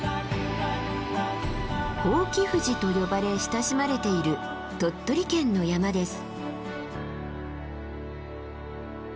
伯耆富士と呼ばれ親しまれている鳥取県の山です。